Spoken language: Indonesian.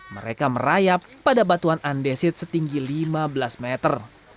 mereka merayap pada batuan andesit setinggi lima belas meter